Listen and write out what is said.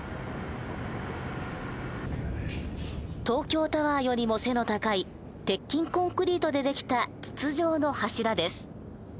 東京タワーよりも背の高い鉄筋コンクリートで出来た筒状の柱です。